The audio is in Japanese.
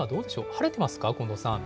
晴れてますか、近藤さん。